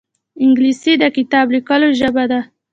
انګلیسي د کتاب لیکلو ژبه ده